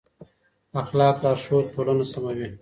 اخلاقي لارښود ټولنه سموي.